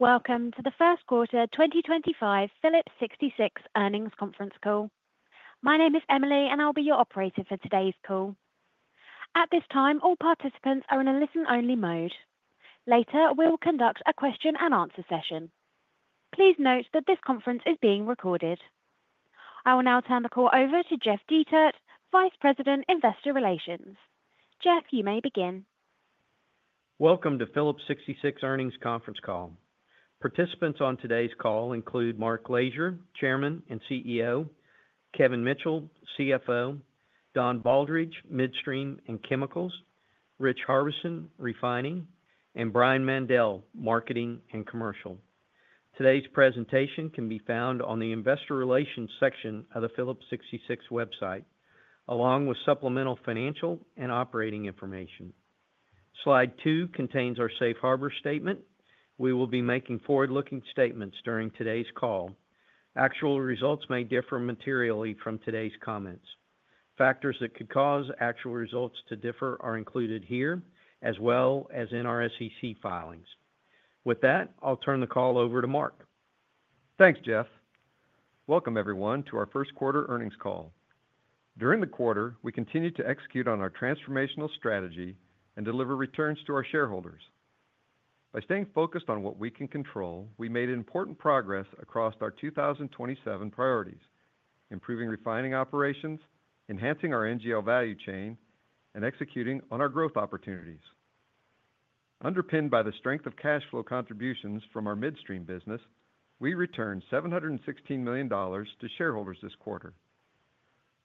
Welcome to the Q1 2025 Phillips 66 Earnings Conference Call. My name is Emily, and I'll be your operator for today's call. At this time, all participants are in a listen-only mode. Later, we'll conduct a question-and-answer session. Please note that this conference is being recorded. I will now turn the call over to Jeff Dietert, Vice President, Investor Relations. Jeff, you may begin. Welcome to Phillips 66 Earnings Conference Call. Participants on today's call include Mark Lashier, Chairman and CEO; Kevin Mitchell, CFO; Don Baldridge, Midstream and Chemicals; Rich Harbison, Refining; and Brian Mandell, Marketing and Commercial. Today's presentation can be found on the Investor Relations section of the Phillips 66 website, along with supplemental financial and operating information. Slide 2 contains our safe harbor statement. We will be making forward-looking statements during today's call. Actual results may differ materially from today's comments. Factors that could cause actual results to differ are included here, as well as in our SEC filings. With that, I'll turn the call over to Mark. Thanks, Jeff. Welcome, everyone, to our Q1 earnings call. During the quarter, we continued to execute on our transformational strategy and deliver returns to our shareholders. By staying focused on what we can control, we made important progress across our 2027 priorities: improving refining operations, enhancing our NGL value chain, and executing on our growth opportunities. Underpinned by the strength of cash flow contributions from our midstream business, we returned $716 million to shareholders this quarter.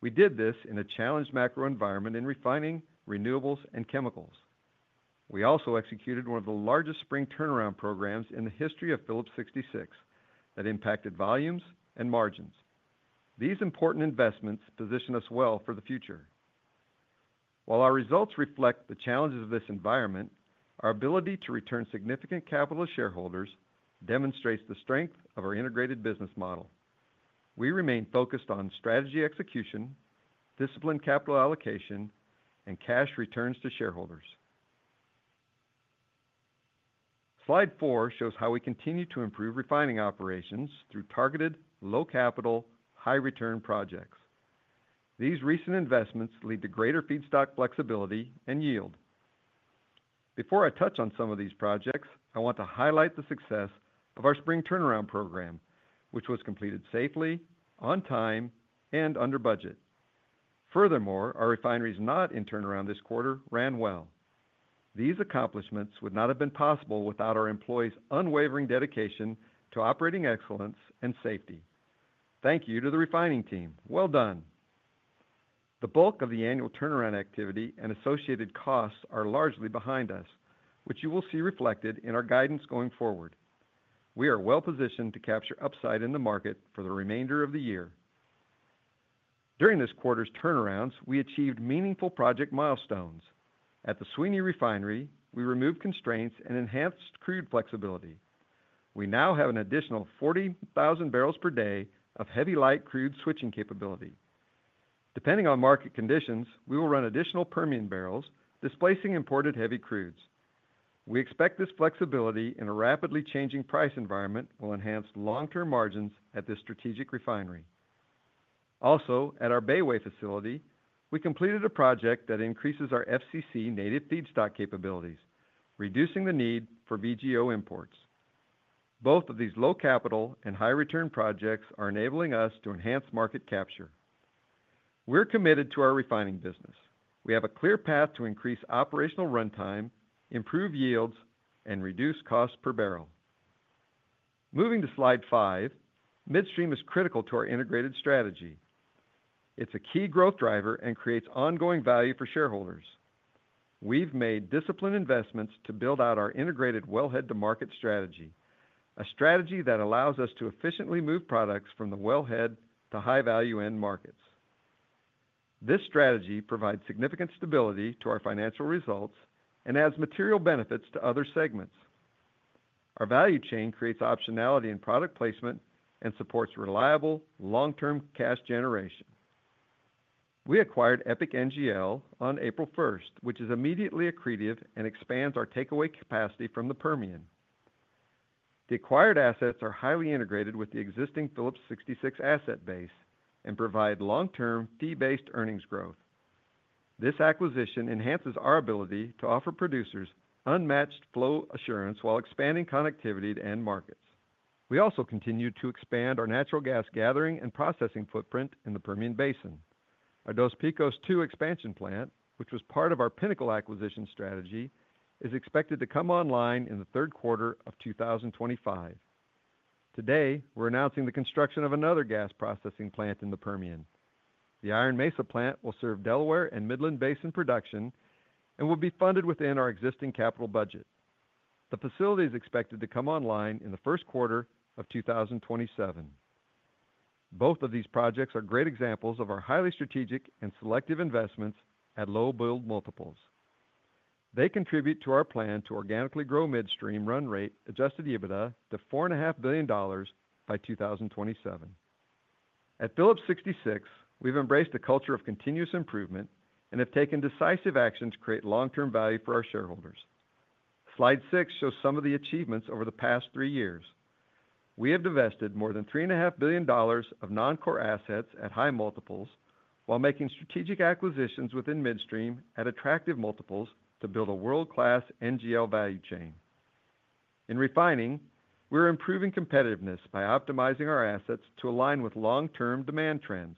We did this in a challenge macro environment in refining, renewables, and chemicals. We also executed one of the largest spring turnaround programs in the history of Phillips 66 that impacted volumes and margins. These important investments position us well for the future. While our results reflect the challenges of this environment, our ability to return significant capital to shareholders demonstrates the strength of our integrated business model. We remain focused on strategy execution, disciplined capital allocation, and cash returns to shareholders. Slide 4 shows how we continue to improve refining operations through targeted, low-capital, high-return projects. These recent investments lead to greater feedstock flexibility and yield. Before I touch on some of these projects, I want to highlight the success of our spring turnaround program, which was completed safely, on time, and under budget. Furthermore, our refineries not in turnaround this quarter ran well. These accomplishments would not have been possible without our employees unwavering dedication to operating excellence and safety. Thank you to the refining team. The bulk of the annual turnaround activity and associated costs are largely behind us, which you will see reflected in our guidance going forward. We are well positioned to capture upside in the market for the remainder of the year. During this quarter's turnarounds, we achieved meaningful project milestones. At the Sweeny Refinery, we removed constraints and enhanced crude flexibility. We now have an additional 40,000 barrels per day of heavy light crude switching capability. Depending on market conditions, we will run additional Permian barrels, displacing imported heavy crudes. We expect this flexibility in a rapidly changing price environment will enhance long-term margins at this strategic refinery. Also, at our Bayway facility, we completed a project that increases our FCC native feedstock capabilities, reducing the need for VGO imports. Both of these low-capital and high-return projects are enabling us to enhance market capture. We're committed to our refining business. We have a clear path to increase operational run time, improve yields, and reduce costs per barrel. Moving to slide 5, midstream is critical to our integrated strategy. It's a key growth driver and creates ongoing value for shareholders. We've made disciplined investments to build out our integrated well-head-to-market strategy, a strategy that allows us to efficiently move products from the well-head to high-value-end markets. This strategy provides significant stability to our financial results and adds material benefits to other segments. Our value chain creates optionality in product placement and supports reliable, long-term cash generation. We acquired EPIC NGL on April 1, which is immediately accretive and expands our takeaway capacity from the Permian. The acquired assets are highly integrated with the existing Phillips 66 asset base and provide long-term, fee-based earnings growth. This acquisition enhances our ability to offer producers unmatched flow assurance while expanding connectivity to end markets. We also continue to expand our natural gas gathering and processing footprint in the Permian Basin. Our Dos Picos II expansion plant, which was part of our Pinnacle acquisition strategy, is expected to come online in the Q3 of 2025. Today, we're announcing the construction of another gas processing plant in the Permian. The Iron Mesa plant will serve Delaware and Midland Basin production and will be funded within our existing capital budget. The facility is expected to come online in the Q1 of 2027. Both of these projects are great examples of our highly strategic and selective investments at low build multiples. They contribute to our plan to organically grow midstream run rate adjusted EBITDA to $4.5 billion by 2027. At Phillips 66, we've embraced a culture of continuous improvement and have taken decisive actions to create long-term value for our shareholders. Slide 6 shows some of the achievements over the past three years. We have divested more than $3.5 billion of non-core assets at high multiples while making strategic acquisitions within midstream at attractive multiples to build a world-class NGL value chain. In refining, we're improving competitiveness by optimizing our assets to align with long-term demand trends.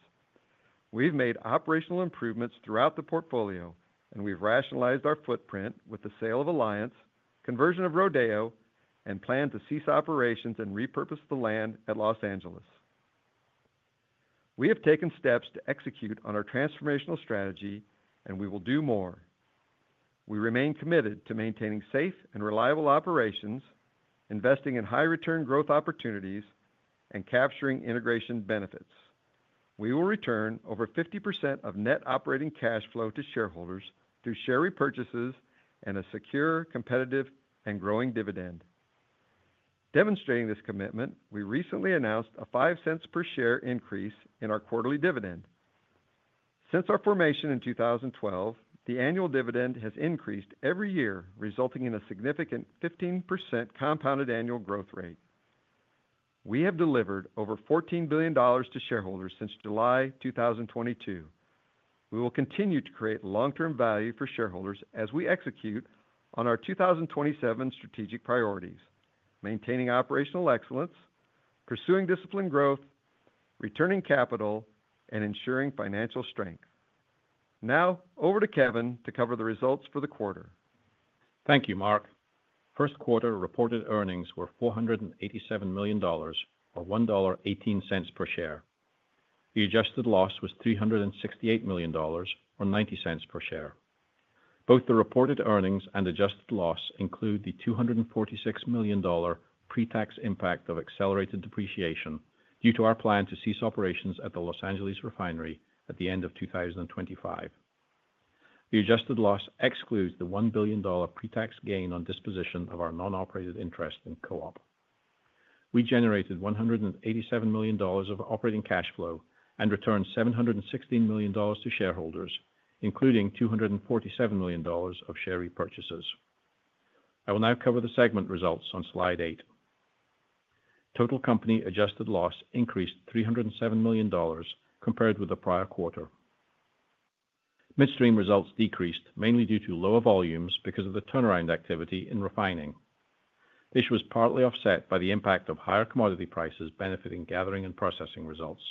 We've made operational improvements throughout the portfolio, and we've rationalized our footprint with the sale of Alliance, conversion of Rodeo, and plan to cease operations and repurpose the land at Los Angeles. We have taken steps to execute on our transformational strategy, and we will do more. We remain committed to maintaining safe and reliable operations, investing in high-return growth opportunities, and capturing integration benefits. We will return over 50% of net operating cash flow to shareholders through share repurchases and a secure, competitive, and growing dividend. Demonstrating this commitment, we recently announced a $0.05 per share increase in our quarterly dividend. Since our formation in 2012, the annual dividend has increased every year, resulting in a significant 15% compounded annual growth rate. We have delivered over $14 billion to shareholders since July 2022. We will continue to create long-term value for shareholders as we execute on our 2027 strategic priorities: maintaining operational excellence, pursuing disciplined growth, returning capital, and ensuring financial strength. Now, over to Kevin to cover the results for the quarter. Thank you, Mark. Q1 reported earnings were $487 million, or $1.18 per share. The adjusted loss was $368 million, or $0.90 per share. Both the reported earnings and adjusted loss include the $246 million pre-tax impact of accelerated depreciation due to our plan to cease operations at the Los Angeles Refinery at the end of 2025. The adjusted loss excludes the $1 billion pre-tax gain on disposition of our non-operated interest in Coop. We generated $187 million of operating cash flow and returned $716 million to shareholders, including $247 million of share repurchases. I will now cover the segment results on slide 8. Total company adjusted loss increased $307 million compared with the prior quarter. Midstream results decreased mainly due to lower volumes because of the turnaround activity in refining. This was partly offset by the impact of higher commodity prices benefiting gathering and processing results.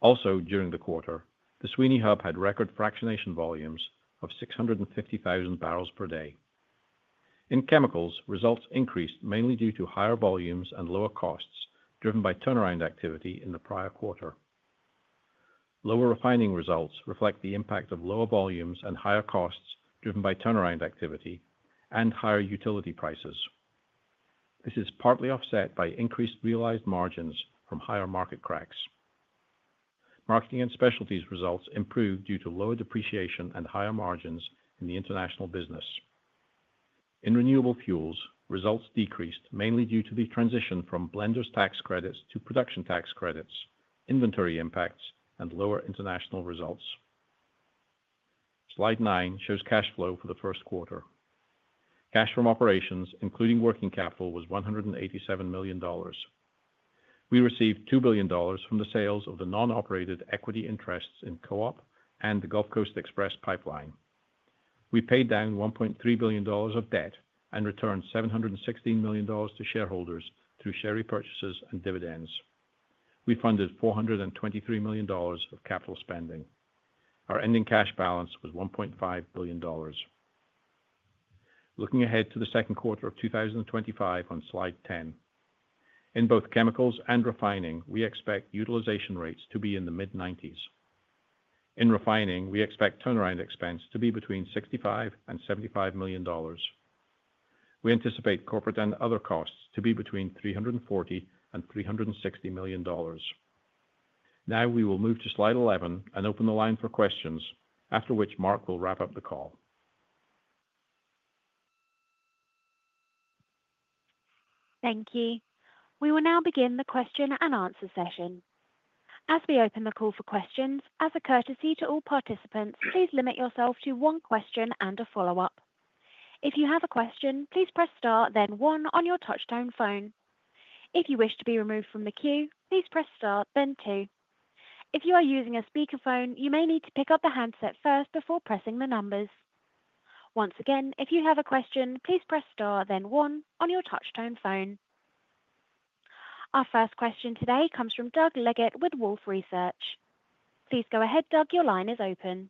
Also, during the quarter, the Sweeny Hub had record fractionation volumes of 650,000 barrels per day. In chemicals, results increased mainly due to higher volumes and lower costs driven by turnaround activity in the prior quarter. Lower refining results reflect the impact of lower volumes and higher costs driven by turnaround activity and higher utility prices. This is partly offset by increased realized margins from higher market cracks. Marketing and specialties results improved due to lower depreciation and higher margins in the international business. In renewable fuels, results decreased mainly due to the transition from blenders tax credits to production tax credits, inventory impacts, and lower international results. Slide 9 shows cash flow for the Q1. Cash from operations, including working capital, was $187 million. We received $2 billion from the sales of the non-operated equity interests in Coop and the Gulf Coast Express Pipeline. We paid down $1.3 billion of debt and returned $716 million to shareholders through share repurchases and dividends. We funded $423 million of capital spending. Our ending cash balance was $1.5 billion. Looking ahead to the Q2 of 2025 on slide 10, in both chemicals and refining, we expect utilization rates to be in the mid-90%. In refining, we expect turnaround expense to be between $65 million and $75 million. We anticipate corporate and other costs to be between $340 million and $360 million. Now, we will move to slide 11 and open the line for questions, after which Mark will wrap up the call. Thank you. We will now begin the question and answer session. As we open the call for questions, as a courtesy to all participants, please limit yourself to one question and a follow-up. If you have a question, please press Star, then 1 on your touch-tone phone. If you wish to be removed from the queue, please press Star, then 2. If you are using a speakerphone, you may need to pick up the handset first before pressing the numbers. Once again, if you have a question, please press Star, then 1 on your touch-tone phone. Our first question today comes from Doug Leggate with Wolfe Research. Please go ahead, Doug. Your line is open.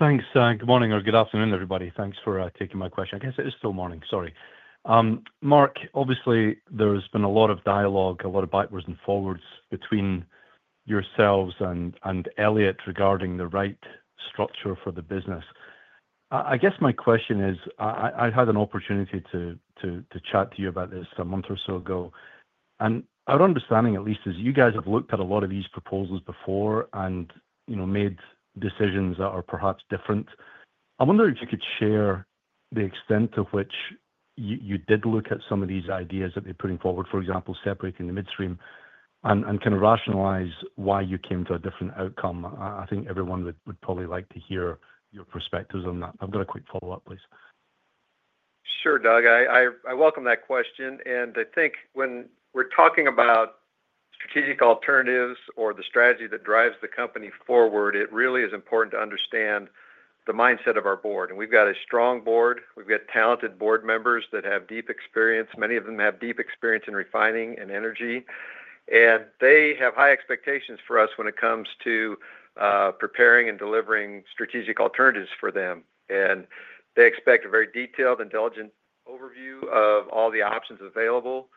Thanks. Good morning or good afternoon, everybody. Thanks for taking my question. I guess it is still morning. Sorry. Mark, obviously, there has been a lot of dialogue, a lot of backwards and forwards between yourselves and Elliott regarding the right structure for the business. I guess my question is, I had an opportunity to chat to you about this a month or so ago. Our understanding, at least, is you guys have looked at a lot of these proposals before and made decisions that are perhaps different. I wonder if you could share the extent to which you did look at some of these ideas that they're putting forward, for example, separating the midstream, and kind of rationalize why you came to a different outcome. I think everyone would probably like to hear your perspectives on that. I've got a quick follow-up, please. Sure, Doug. I welcome that question. I think when we're talking about strategic alternatives or the strategy that drives the company forward, it really is important to understand the mindset of our board. We've got a strong board. We've got talented board members that have deep experience. Many of them have deep experience in refining and energy. They have high expectations for us when it comes to preparing and delivering strategic alternatives for them. They expect a very detailed, intelligent overview of all the options available.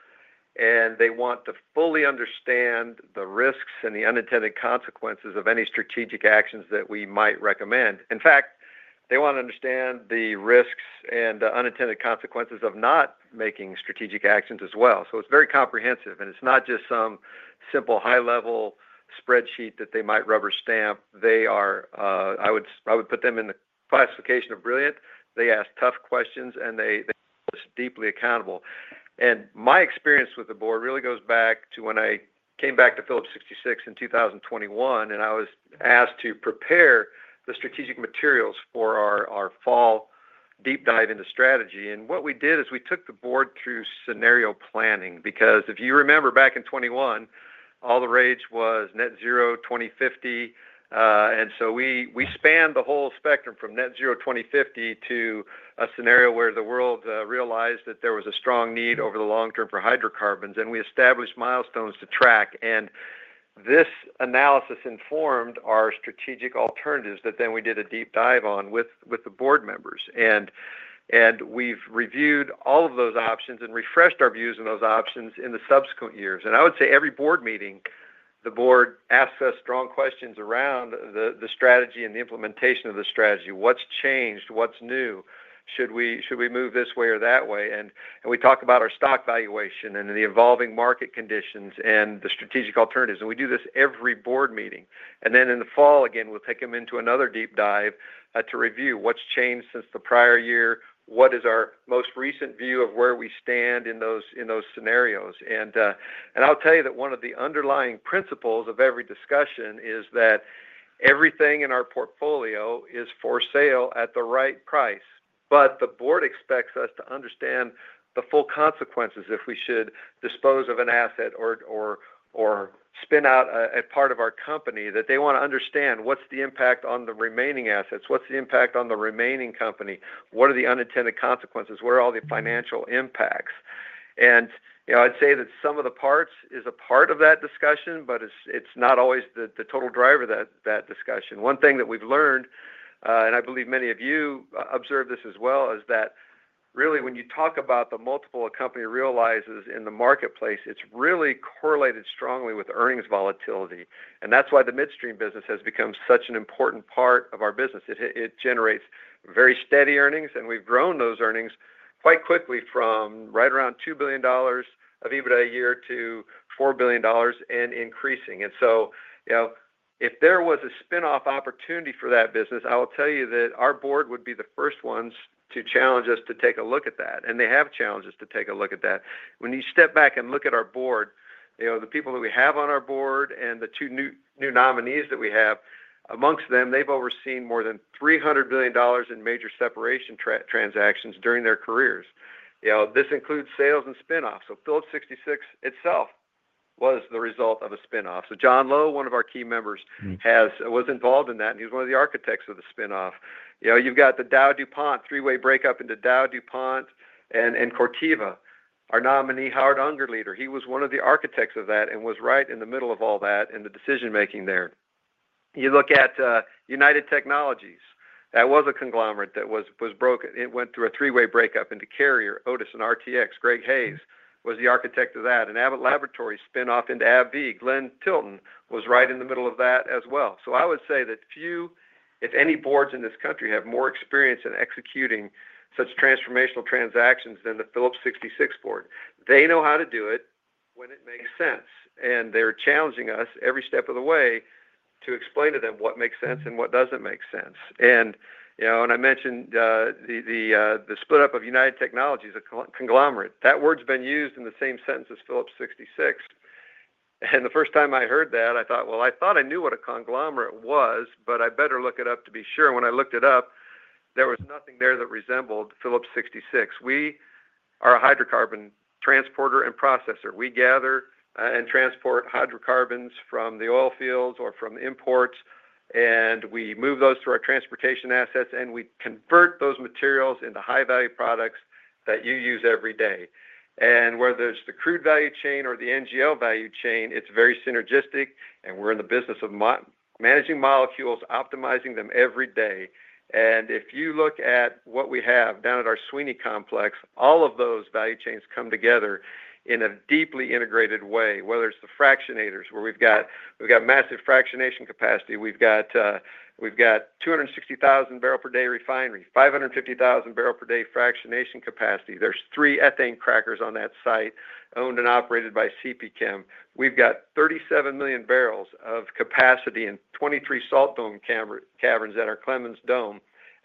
They want to fully understand the risks and the unintended consequences of any strategic actions that we might recommend. In fact, they want to understand the risks and the unintended consequences of not making strategic actions as well. It is very comprehensive. It is not just some simple high-level spreadsheet that they might rubber stamp. They are, I would put them in the classification of brilliant. They ask tough questions, and they hold us deeply accountable. My experience with the board really goes back to when I came back to Phillips 66 in 2021, and I was asked to prepare the strategic materials for our fall deep dive into strategy. What we did is we took the board through scenario planning because if you remember back in 2021, all the rage was net zero 2050. We spanned the whole spectrum from net zero 2050 to a scenario where the world realized that there was a strong need over the long term for hydrocarbons. We established milestones to track. This analysis informed our strategic alternatives that then we did a deep dive on with the board members. We have reviewed all of those options and refreshed our views on those options in the subsequent years. I would say every board meeting, the board asks us strong questions around the strategy and the implementation of the strategy. What's changed? What's new? Should we move this way or that way? We talk about our stock valuation and the evolving market conditions and the strategic alternatives. We do this every board meeting. In the fall, again, we will take them into another deep dive to review what's changed since the prior year, what is our most recent view of where we stand in those scenarios. I will tell you that one of the underlying principles of every discussion is that everything in our portfolio is for sale at the right price. The board expects us to understand the full consequences if we should dispose of an asset or spin out a part of our company. They want to understand what is the impact on the remaining assets, what is the impact on the remaining company, what are the unintended consequences, where are all the financial impacts. I would say that some of the parts is a part of that discussion, but it is not always the total driver of that discussion. One thing that we have learned, and I believe many of you observe this as well, is that really when you talk about the multiple a company realizes in the marketplace, it is really correlated strongly with earnings volatility. That is why the midstream business has become such an important part of our business. It generates very steady earnings, and we've grown those earnings quite quickly from right around $2 billion of EBITDA a year to $4 billion and increasing. If there was a spinoff opportunity for that business, I will tell you that our board would be the first ones to challenge us to take a look at that. They have challenged us to take a look at that. When you step back and look at our board, the people that we have on our board and the two new nominees that we have, amongst them, they've overseen more than $300 billion in major separation transactions during their careers. This includes sales and spinoffs. Phillips 66 itself was the result of a spinoff. John Lowe, one of our key members, was involved in that, and he was one of the architects of the spinoff. You've got the DowDuPont, three-way breakup into Dow, DuPont, and Corteva. Our nominee, Howard Ungerleider, he was one of the architects of that and was right in the middle of all that in the decision-making there. You look at United Technologies. That was a conglomerate that was broken. It went through a three-way breakup into Carrier, Otis, and RTX. Greg Hayes was the architect of that. And Abbott Laboratories spinoff into AbbVie. Glenn Tilton was right in the middle of that as well. I would say that few, if any, boards in this country have more experience in executing such transformational transactions than the Phillips 66 board. They know how to do it when it makes sense. They're challenging us every step of the way to explain to them what makes sense and what doesn't make sense. I mentioned the split-up of United Technologies as a conglomerate. That word's been used in the same sentence as Phillips 66. The first time I heard that, I thought, I thought I knew what a conglomerate was, but I better look it up to be sure. When I looked it up, there was nothing there that resembled Phillips 66. We are a hydrocarbon transporter and processor. We gather and transport hydrocarbons from the oil fields or from imports, and we move those to our transportation assets, and we convert those materials into high-value products that you use every day. Whether it's the crude value chain or the NGL value chain, it's very synergistic, and we're in the business of managing molecules, optimizing them every day. If you look at what we have down at our Sweeny Complex, all of those value chains come together in a deeply integrated way, whether it's the fractionators, where we've got massive fractionation capacity. We've got a 260,000 barrels per day refinery, 550,000 barrels per day fractionation capacity. There are three ethane crackers on that site owned and operated by CPChem. We've got 37 million barrels of capacity in 23 salt dome caverns at our Clemens Dome.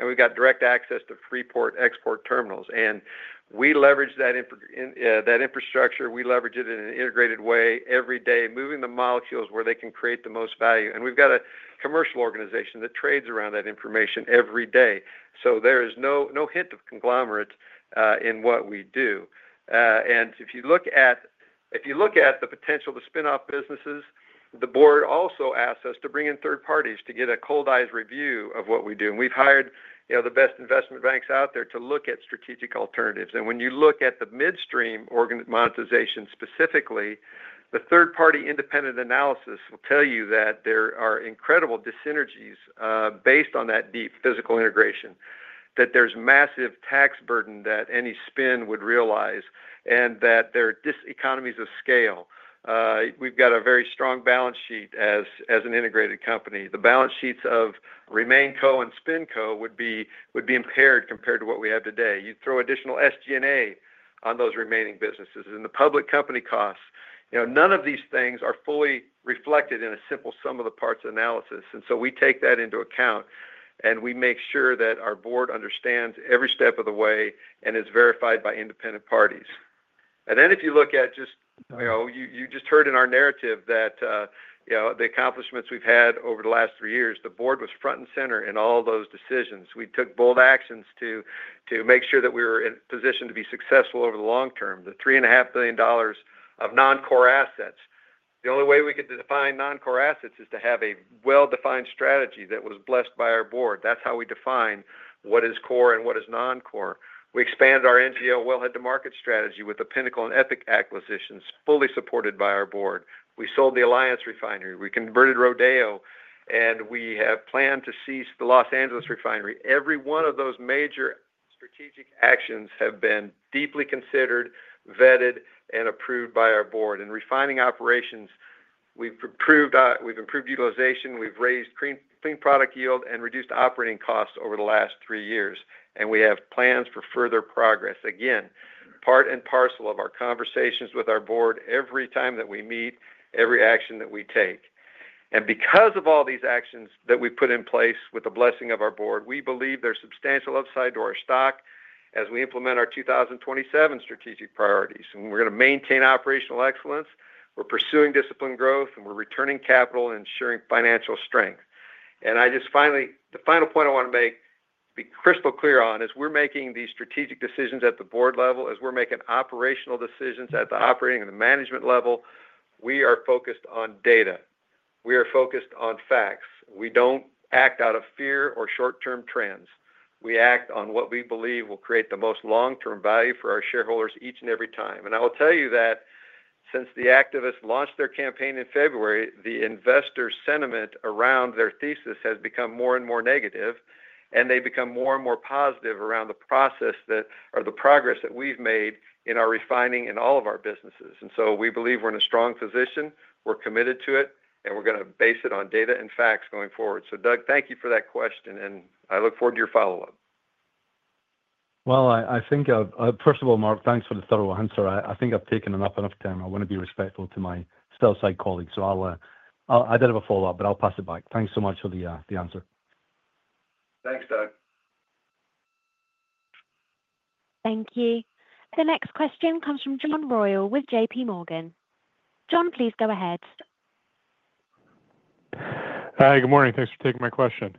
We've got direct access to Freeport export terminals. We leverage that infrastructure. We leverage it in an integrated way every day, moving the molecules where they can create the most value. We've got a commercial organization that trades around that information every day. There is no hint of conglomerate in what we do. If you look at the potential to spinoff businesses, the board also asks us to bring in third parties to get a cold eyes review of what we do. We have hired the best investment banks out there to look at strategic alternatives. When you look at the midstream monetization specifically, the third-party independent analysis will tell you that there are incredible dyssynergies based on that deep physical integration, that there is a massive tax burden that any spin would realize, and that there are economies of scale. We have a very strong balance sheet as an integrated company. The balance sheets of RemainCo and SpinCo would be impaired compared to what we have today. You throw additional SG&A on those remaining businesses and the public company costs. None of these things are fully reflected in a simple sum of the parts analysis. We take that into account, and we make sure that our board understands every step of the way and is verified by independent parties. If you look at just, you just heard in our narrative that the accomplishments we've had over the last three years, the board was front and center in all those decisions. We took bold actions to make sure that we were in a position to be successful over the long term, the $3.5 billion of non-core assets. The only way we could define non-core assets is to have a well-defined strategy that was blessed by our board. That's how we define what is core and what is non-core. We expanded our NGL well-head to market strategy with the Pinnacle and EPIC acquisitions fully supported by our board. We sold the Alliance Refinery. We converted Rodeo, and we have planned to cease the Los Angeles Refinery. Every one of those major strategic actions has been deeply considered, vetted, and approved by our board. In refining operations, we've improved utilization. We've raised clean product yield and reduced operating costs over the last three years. We have plans for further progress. Part and parcel of our conversations with our board every time that we meet, every action that we take. Because of all these actions that we put in place with the blessing of our board, we believe there's substantial upside to our stock as we implement our 2027 strategic priorities. We're going to maintain operational excellence. We're pursuing discipline growth, and we're returning capital and ensuring financial strength. Finally, the final point I want to make be crystal clear on is we're making these strategic decisions at the board level. As we're making operational decisions at the operating and the management level, we are focused on data. We are focused on facts. We don't act out of fear or short-term trends. We act on what we believe will create the most long-term value for our shareholders each and every time. I will tell you that since the activists launched their campaign in February, the investor sentiment around their thesis has become more and more negative, and they've become more and more positive around the process that or the progress that we've made in our refining and all of our businesses. We believe we're in a strong position. We're committed to it, and we're going to base it on data and facts going forward. Doug, thank you for that question, and I look forward to your follow-up. I think, first of all, Mark, thanks for the thorough answer. I think I've taken enough, enough time. I want to be respectful to my stealth side colleagues. I did have a follow-up, but I'll pass it back. Thanks so much for the answer. Thanks, Doug. Thank you. The next question comes from John Royall with J.P. Morgan. John, please go ahead. Hi, good morning. Thanks for taking my question.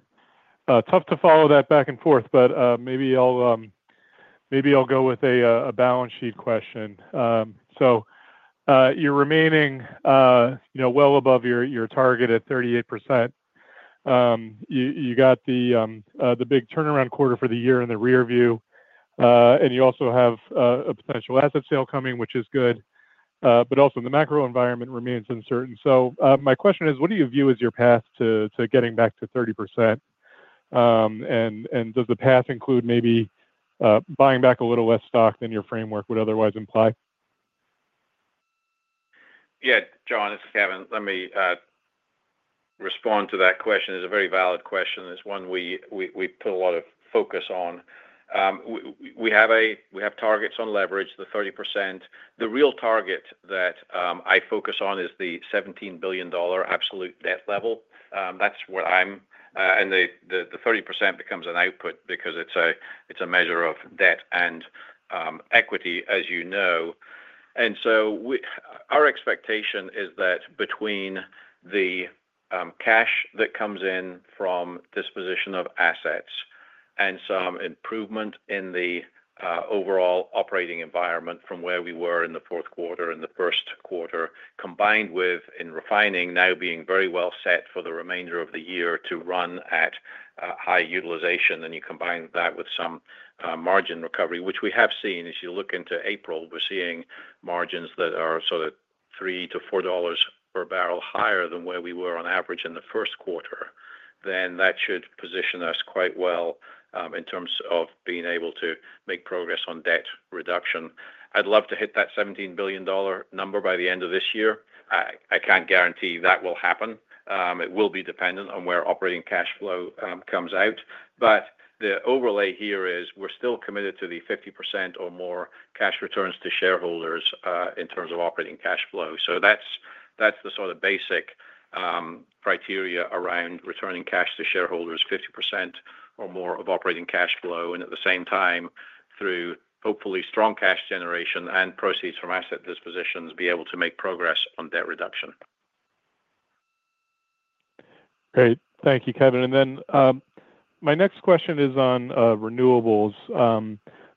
Tough to follow that back and forth, but maybe I'll go with a balance sheet question. You're remaining well above your target at 38%. You got the big turnaround quarter for the year in the rearview. You also have a potential asset sale coming, which is good. The macro environment remains uncertain. My question is, what do you view as your path to getting back to 30%? Does the path include maybe buying back a little less stock than your framework would otherwise imply? Yeah, John, this is Kevin. Let me respond to that question. It's a very valid question. It's one we put a lot of focus on. We have targets on leverage, the 30%. The real target that I focus on is the $17 billion absolute debt level. That's what I'm and the 30% becomes an output because it's a measure of debt and equity, as you know. Our expectation is that between the cash that comes in from disposition of assets and some improvement in the overall operating environment from where we were in the Q4 and the Q1, combined with, in refining, now being very well set for the remainder of the year to run at high utilization, you combine that with some margin recovery, which we have seen. As you look into April, we're seeing margins that are sort of $3-$4 per barrel higher than where we were on average in the Q1. That should position us quite well in terms of being able to make progress on debt reduction. I'd love to hit that $17 billion number by the end of this year. I can't guarantee that will happen. It will be dependent on where operating cash flow comes out. The overlay here is we're still committed to the 50% or more cash returns to shareholders in terms of operating cash flow. That's the sort of basic criteria around returning cash to shareholders, 50% or more of operating cash flow. At the same time, through hopefully strong cash generation and proceeds from asset dispositions, be able to make progress on debt reduction. Great. Thank you, Kevin. My next question is on renewables.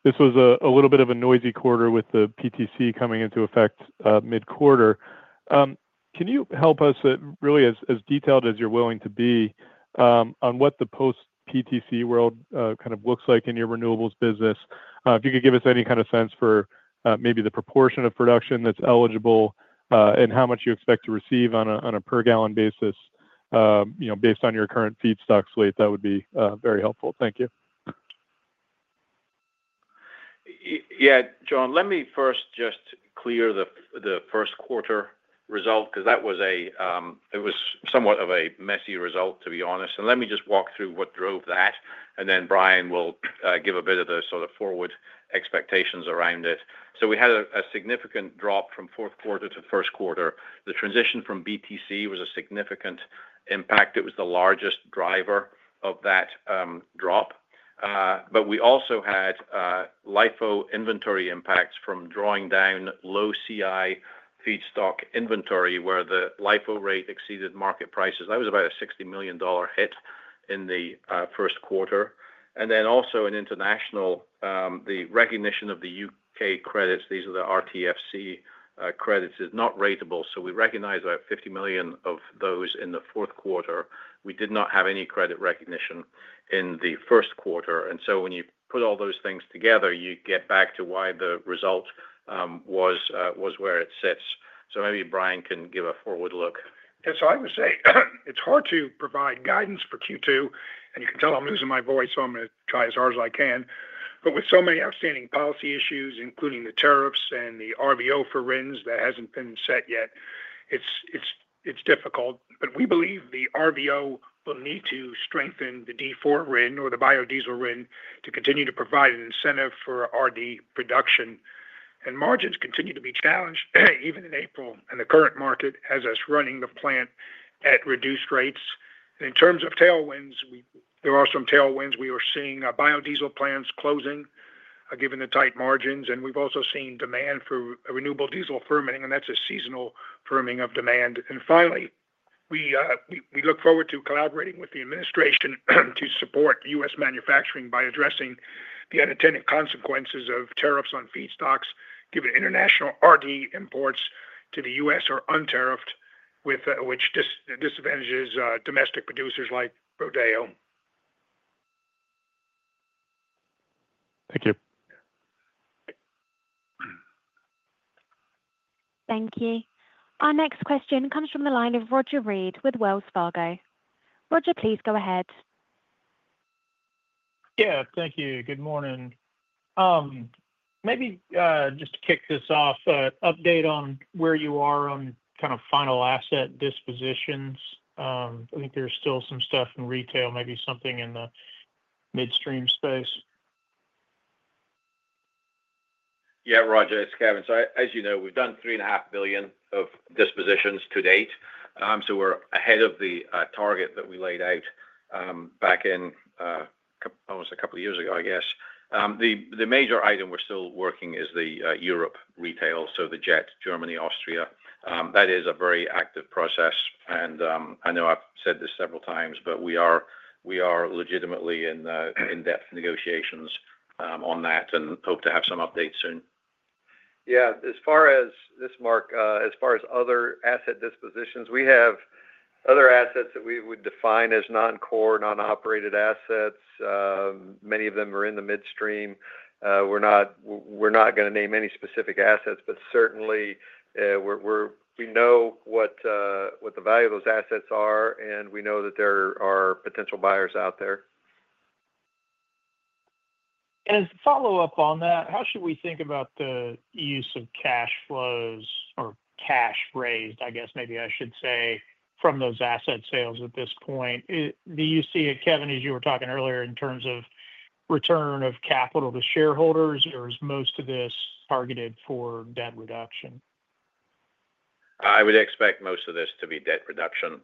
This was a little bit of a noisy quarter with the PTC coming into effect mid-quarter. Can you help us really as detailed as you're willing to be on what the post-PTC world kind of looks like in your renewables business? If you could give us any kind of sense for maybe the proportion of production that's eligible and how much you expect to receive on a per-gallon basis based on your current feedstock slate? that would be very helpful. Thank you. Yeah, John, let me first just clear the Q1 result because that was a it was somewhat of a messy result, to be honest. Let me just walk through what drove that. Brian will give a bit of the sort of forward expectations around it. We had a significant drop from Q4 to Q1. The transition from BTC was a significant impact. It was the largest driver of that drop. We also had LIFO inventory impacts from drawing down low CI feedstock inventory where the LIFO rate exceeded market prices. That was about a $60 million hit in the Q1. Also in international, the recognition of the U.K. credits, these are the RTFC credits, is not ratable. We recognized about $50 million of those in the Q4. We did not have any credit recognition in the Q1. When you put all those things together, you get back to why the result was where it sits. Maybe Brian can give a forward look. Yeah, I would say it's hard to provide guidance for Q2, and you can tell I'm losing my voice, so I'm going to try as hard as I can. With so many outstanding policy issues, including the tariffs and the RVO for RINs that hasn't been set yet, it's difficult. We believe the RVO will need to strengthen the D4 RIN or the biodiesel RIN to continue to provide an incentive for RD production. Margins continue to be challenged even in April, and the current market has us running the plant at reduced rates. In terms of tailwinds, there are some tailwinds. We are seeing biodiesel plants closing given the tight margins. We've also seen demand for renewable diesel firming, and that's a seasonal firming of demand. Finally, we look forward to collaborating with the administration to support U.S. manufacturing by addressing the unintended consequences of tariffs on feedstocks, given international RD imports to the U.S. are untariffed, which disadvantages domestic producers like Rodeo. Thank you. Thank you. Our next question comes from the line of Roger Reid with Wells Fargo. Roger, please go ahead. Yeah, thank you. Good morning. Maybe just to kick this off, an update on where you are on kind of final asset dispositions. I think there's still some stuff in retail, maybe something in the midstream space. Yeah, Roger, this is Kevin. As you know, we've done $3.5 billion of dispositions to date. We're ahead of the target that we laid out back in almost a couple of years ago, I guess. The major item we're still working is the Europe retail, so the JET, Germany, Austria. That is a very active process. I know I've said this several times, but we are legitimately in depth negotiations on that and hope to have some updates soon. Yeah, as far as this, Mark, as far as other asset dispositions, we have other assets that we would define as non-core, non-operated assets. Many of them are in the midstream. We're not going to name any specific assets, but certainly we know what the value of those assets are, and we know that there are potential buyers out there. As a follow-up on that, how should we think about the use of cash flows or cash raised, I guess maybe I should say, from those asset sales at this point? Do you see it, Kevin, as you were talking earlier, in terms of return of capital to shareholders, or is most of this targeted for debt reduction? I would expect most of this to be debt reduction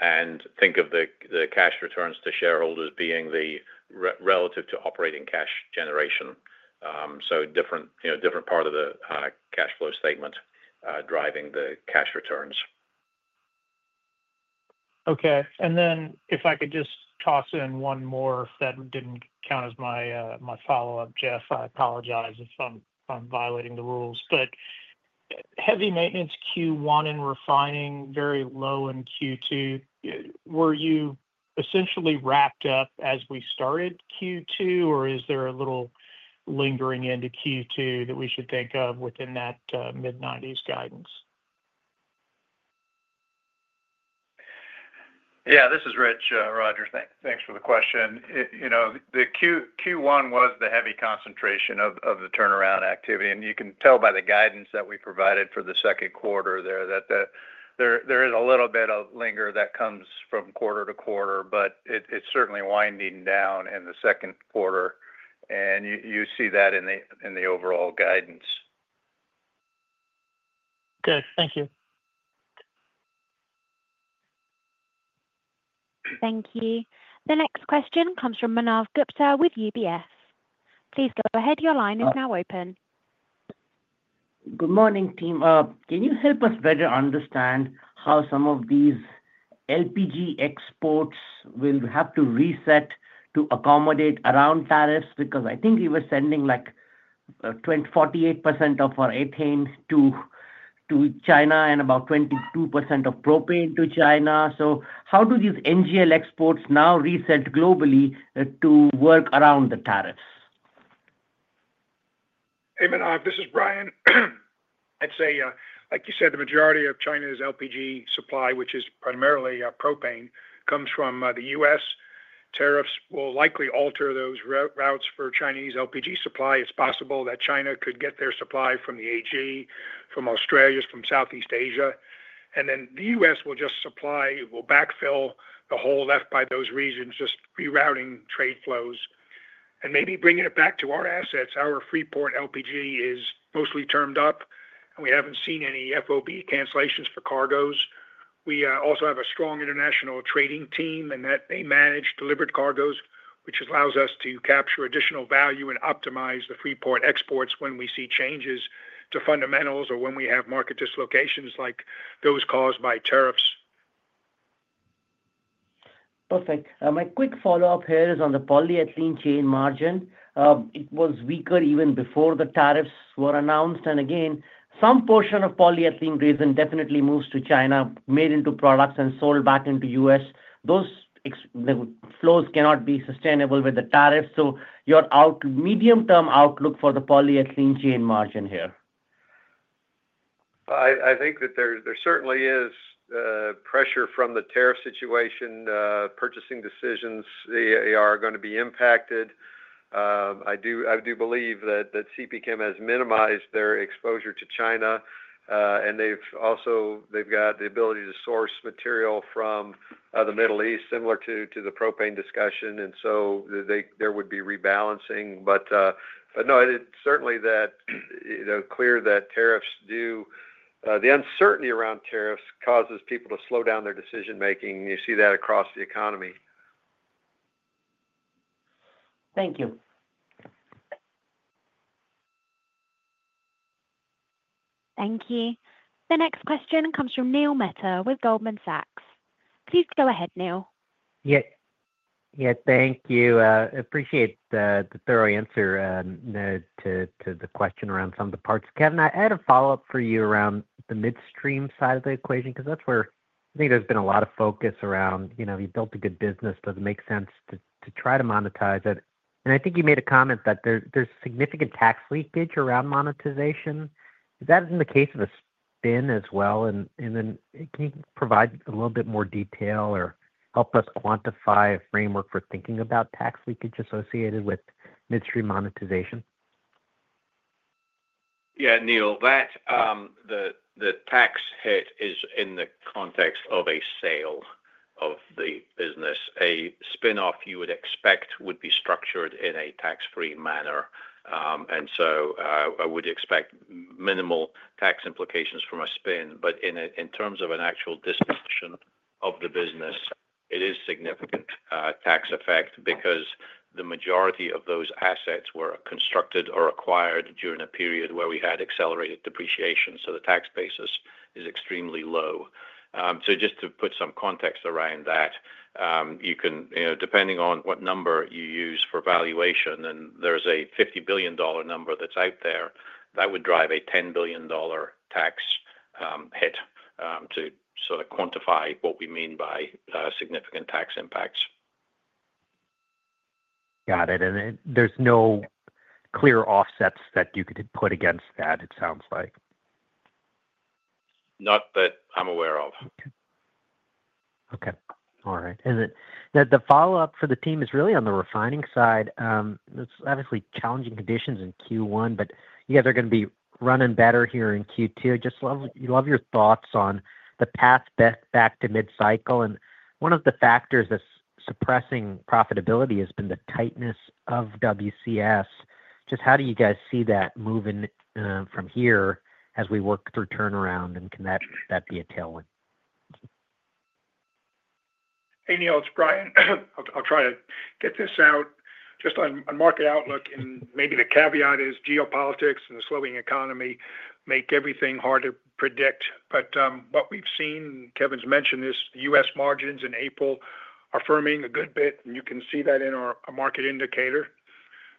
and think of the cash returns to shareholders being relative to operating cash generation. Different part of the cash flow statement driving the cash returns. Okay. If I could just toss in one more that did not count as my follow-up, Jeff, I apologize if I am violating the rules. Heavy maintenance Q1 in refining, very low in Q2. Were you essentially wrapped up as we started Q2, or is there a little lingering into Q2 that we should think of within that mid-1990s guidance? Yeah, this is Rich Harbison Thanks for the question. The Q1 was the heavy concentration of the turnaround activity. You can tell by the guidance that we provided for the Q2 there that there is a little bit of linger that comes from quarter to quarter, but it's certainly winding down in the Q2. You see that in the overall guidance. Good. Thank you. Thank you. The next question comes from Manav Gupta with UBS. Please go ahead. Your line is now open. Good morning, team. Can you help us better understand how some of these LPG exports will have to reset to accommodate around tariffs? Because I think we were sending like 48% of our ethane to China and about 22% of propane to China. How do these NGL exports now reset globally to work around the tariffs? Hey, Manav, this is Brian. I'd say, like you said, the majority of Chinese LPG supply, which is primarily propane, comes from the U.S. Tariffs will likely alter those routes for Chinese LPG supply. It's possible that China could get their supply from the AG, from Australia, from Southeast Asia. The U.S. will just supply, will backfill the hole left by those regions, just rerouting trade flows and maybe bringing it back to our assets. Our Freeport LPG is mostly termed up, and we haven't seen any FOB cancellations for cargoes. We also have a strong international trading team, and they manage delivered cargoes, which allows us to capture additional value and optimize the Freeport exports when we see changes to fundamentals or when we have market dislocations like those caused by tariffs. Perfect. My quick follow-up here is on the polyethylene chain margin. It was weaker even before the tariffs were announced. Again, some portion of polyethylene resin definitely moves to China, made into products and sold back into the U.S. Those flows cannot be sustainable with the tariffs. Your medium-term outlook for the polyethylene chain margin here? I think that there certainly is pressure from the tariff situation. Purchasing decisions are going to be impacted. I do believe that CPChem has minimized their exposure to China. They've also got the ability to source material from the Middle East, similar to the propane discussion. There would be rebalancing. No, it's certainly clear that tariffs do. The uncertainty around tariffs causes people to slow down their decision-making. You see that across the economy. Thank you. Thank you. The next question comes from Neil Mehta with Goldman Sachs. Please go ahead, Neil. Yeah, thank you. Appreciate the thorough answer to the question around some of the parts. Kevin, I had a follow-up for you around the midstream side of the equation because that's where I think there's been a lot of focus around you built a good business, but it makes sense to try to monetize it. I think you made a comment that there's significant tax leakage around monetization. Is that in the case of a spin as well? Can you provide a little bit more detail or help us quantify a framework for thinking about tax leakage associated with midstream monetization? Yeah, Neil, the tax hit is in the context of a sale of the business. A spin-off you would expect would be structured in a tax-free manner. I would expect minimal tax implications from a spin. In terms of an actual disposition of the business, it is significant tax effect because the majority of those assets were constructed or acquired during a period where we had accelerated depreciation. The tax basis is extremely low. Just to put some context around that, depending on what number you use for valuation, and there's a $50 billion number that's out there, that would drive a $10 billion tax hit to sort of quantify what we mean by significant tax impacts. Got it. There is no clear offsets that you could put against that, it sounds like. Not that I'm aware of. Okay. All right. The follow-up for the team is really on the refining side. It's obviously challenging conditions in Q1, but you guys are going to be running better here in Q2. Just love your thoughts on the path back to mid-cycle. One of the factors that's suppressing profitability has been the tightness of WCS. Just how do you guys see that moving from here as we work through turnaround, and can that be a tailwind? Hey, Neil, it's Brian. I'll try to get this out. Just on market outlook, and maybe the caveat is geopolitics and the slowing economy make everything hard to predict. What we've seen, Kevin's mentioned, is U.S. margins in April are firming a good bit, and you can see that in our market indicator.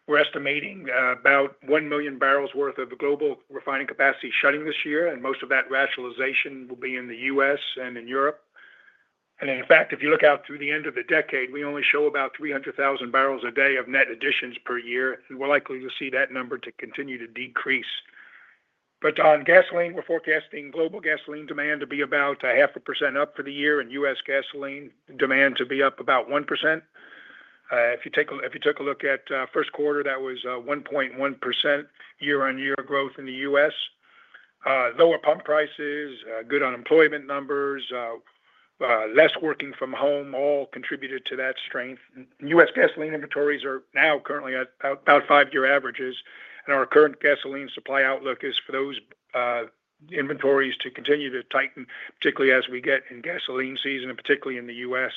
We're estimating about 1 million barrels' worth of global refining capacity shutting this year, and most of that rationalization will be in the U.S. and in Europe. In fact, if you look out through the end of the decade, we only show about 300,000 barrels a day of net additions per year. We're likely to see that number continue to decrease. On gasoline, we're forecasting global gasoline demand to be about a half a percent up for the year, and U.S. gasoline demand to be up about 1%. If you took a look at Q1, that was 1.1% year-on-year growth in the U.S. Lower pump prices, good unemployment numbers, less working from home all contributed to that strength. U.S. gasoline inventories are now currently at about five-year averages. Our current gasoline supply outlook is for those inventories to continue to tighten, particularly as we get in gasoline season, and particularly in the U.S.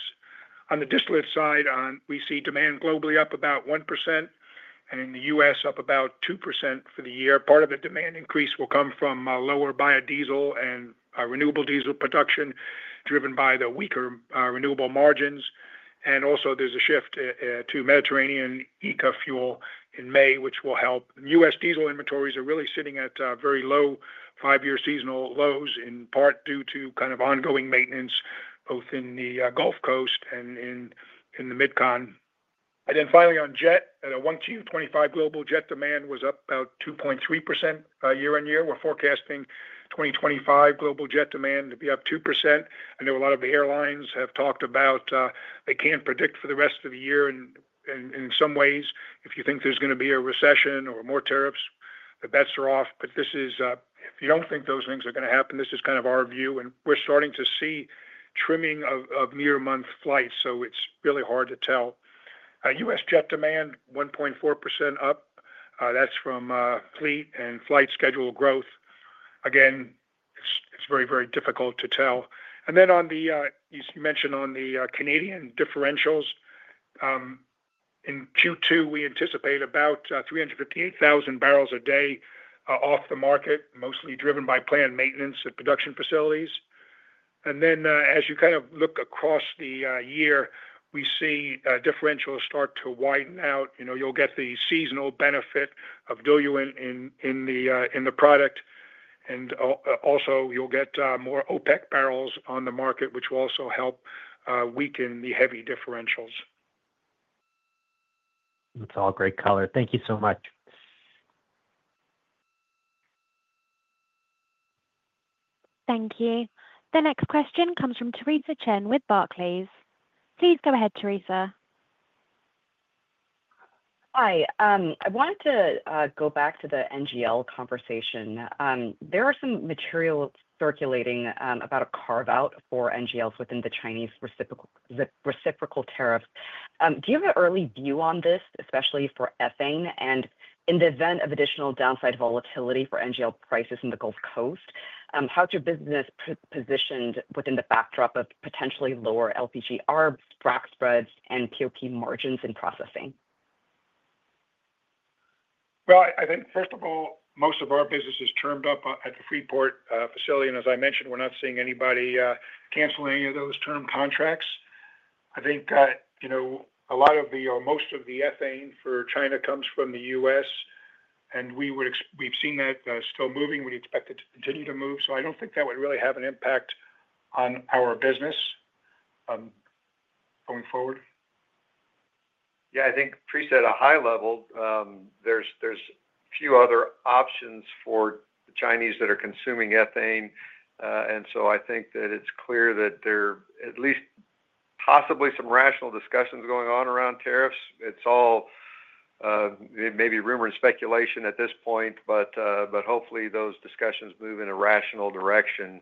On the distillate side, we see demand globally up about 1%, and in the U.S., up about 2% for the year. Part of the demand increase will come from lower biodiesel and renewable diesel production driven by the weaker renewable margins. Also, there is a shift to Mediterranean ECO fuel in May, which will help. U.S. Diesel inventories are really sitting at very low five-year seasonal lows, in part due to kind of ongoing maintenance both in the Gulf Coast and in the MidCon. Finally, on JET, at a 1.25 global JET demand was up about 2.3% year-on-year. We're forecasting 2025 global JET demand to be up 2%. I know a lot of the airlines have talked about they can't predict for the rest of the year. In some ways, if you think there's going to be a recession or more tariffs, the bets are off. If you don't think those things are going to happen, this is kind of our view. We're starting to see trimming of near-month flights. It's really hard to tell. U.S. JET demand, 1.4% up. That's from fleet and flight schedule growth. Again, it's very, very difficult to tell. As you mentioned, on the Canadian differentials, in Q2, we anticipate about 358,000 barrels a day off the market, mostly driven by planned maintenance at production facilities. As you kind of look across the year, we see differentials start to widen out. You'll get the seasonal benefit of diluent in the product. Also, you'll get more OPEC barrels on the market, which will also help weaken the heavy differentials. That's all great color. Thank you so much. Thank you. The next question comes from Teresa Chen with Barclays. Please go ahead, Teresa. Hi. I wanted to go back to the NGL conversation. There are some materials circulating about a carve-out for NGLs within the Chinese reciprocal tariffs. Do you have an early view on this, especially for ethane and in the event of additional downside volatility for NGL prices in the Gulf Coast? How's your business positioned within the backdrop of potentially lower LPG, arbs, frac spreads, and POP margins in processing? I think, first of all, most of our business is termed up at the Freeport facility. And as I mentioned, we're not seeing anybody cancel any of those term contracts. I think a lot of the, or most of the ethane for China comes from the U.S. and we've seen that still moving. We expect it to continue to move. I don't think that would really have an impact on our business going forward. Yeah, I think, Teresa, at a high level, there's a few other options for the Chinese that are consuming ethane. I think that it's clear that there are at least possibly some rational discussions going on around tariffs. It's all maybe rumor and speculation at this point, but hopefully those discussions move in a rational direction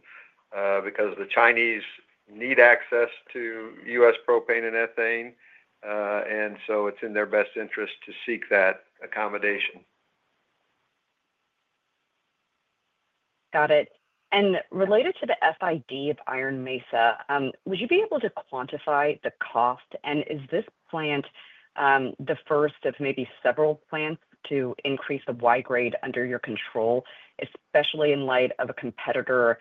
because the Chinese need access to U.S. propane and ethane. It's in their best interest to seek that accommodation. Got it. Related to the FID of Iron Mesa, would you be able to quantify the cost? Is this plant the first of maybe several plants to increase the Y grade under your control, especially in light of a competitor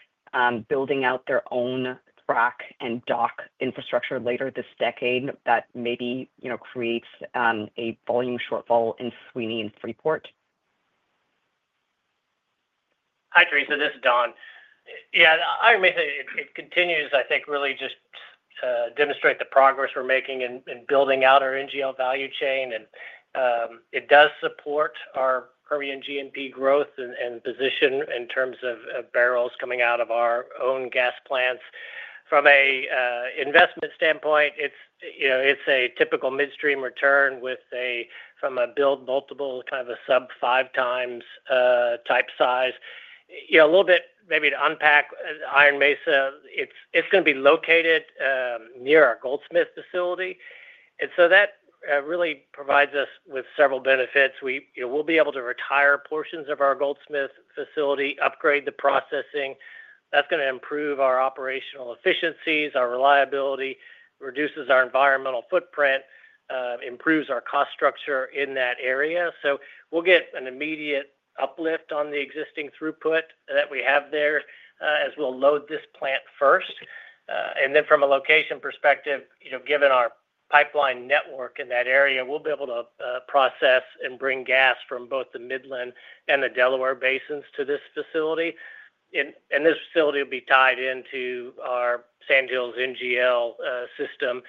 building out their own frac and dock infrastructure later this decade that maybe creates a volume shortfall in Sweeny and Freeport? Hi, Teresa. This is Don. Yeah, Iron Mesa, it continues, I think, really just to demonstrate the progress we're making in building out our NGL value chain. It does support our Permian GNP growth and position in terms of barrels coming out of our own gas plants. From an investment standpoint, it's a typical midstream return from a build multiple kind of a sub five times type size. Maybe to unpack Iron Mesa, it's going to be located near our Goldsmith facility. That really provides us with several benefits. We'll be able to retire portions of our Goldsmith facility, upgrade the processing. That's going to improve our operational efficiencies, our reliability, reduces our environmental footprint, improves our cost structure in that area. We'll get an immediate uplift on the existing throughput that we have there as we'll load this plant first. From a location perspective, given our pipeline network in that area, we'll be able to process and bring gas from both the Midland and the Delaware basins to this facility. This facility will be tied into our Sandhills NGL system.